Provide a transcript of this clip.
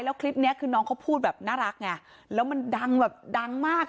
แล้วคลิปนี้คือน้องเขาพูดแบบน่ารักไงแล้วมันดังแบบดังมากอ่ะ